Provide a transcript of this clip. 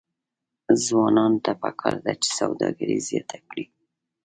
ځوانانو ته پکار ده چې، سوداګري زیاته کړي.